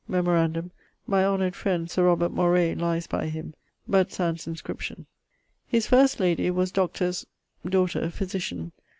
Memorandum: my honoured friend Sir Robert Moray lies by him; but sans inscription. His first lady was Dr. ...'s daughter, physitian